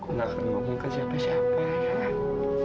aku nggak akan hubung ke siapa siapa jah